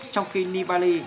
trong khi nibali